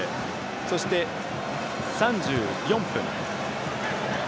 そして、３４分。